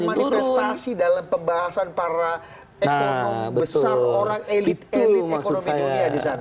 itu juga kemudian bisa termanifestasi dalam pembahasan para ekonomi besar orang elit elit ekonomi dunia di sana